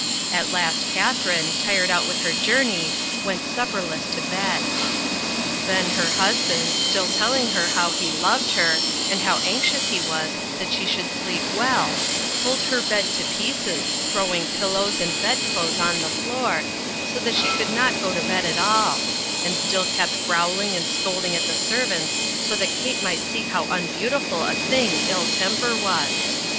At last Katharine, tired out with her jour ney, went supperless to bed. Then her husband, still telling her how he loved her, and how anxious he was that she should sleep well, pulled/her bed to pieces, throwing pillows and bedclothes on the floor, so that she could not go to bed at all, and still kept growling and scolding at the servants so that Kate might see how unbeauti ful a thing ill temper was.